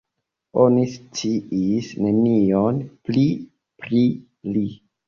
Oni sciis nenion pli pri li.